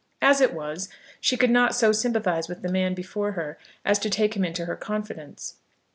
As it was she could not so sympathise with the man before her, as to take him into her confidence.